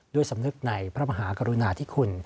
ด้วยสำนึกในพระมหากรุณาธิคุณ